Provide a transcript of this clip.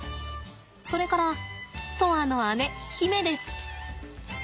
それから砥愛の姉媛です。